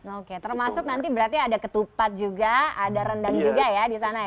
oke termasuk nanti berarti ada ketupat juga ada rendang juga ya di sana ya